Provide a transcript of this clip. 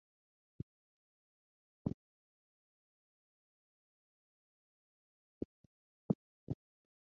Today, many houses in the area are being updated or replaced with new construction.